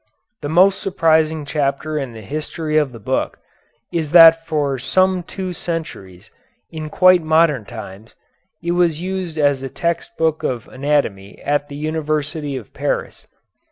The most surprising chapter in the history of the book is that for some two centuries, in quite modern times, it was used as a text book of anatomy at the University of Paris.